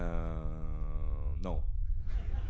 ノー。